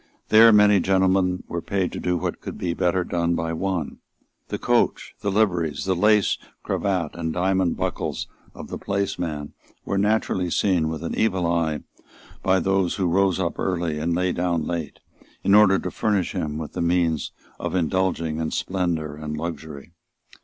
There many gentlemen were paid to do what would be better done by one. The coach, the liveries, the lace cravat and diamond buckles of the placeman were naturally seen with an evil eye by those who rose up early and lay down late in order to furnish him with the means of indulging in splendour and luxury.